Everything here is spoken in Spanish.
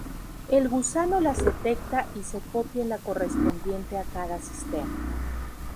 El gusano las detecta y se copia en la correspondiente a cada sistema.